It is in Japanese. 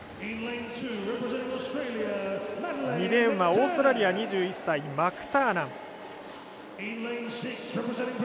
２レーンはオーストラリア２１歳マクターナン。